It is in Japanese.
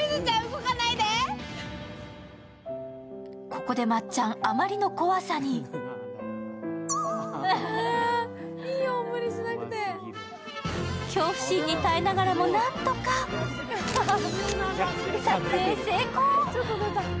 ここで、まっちゃん、あまりの怖さに恐怖心に耐えながらも、なんとか撮影成功！